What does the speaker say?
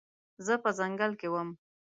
زه په ځنګل کې وم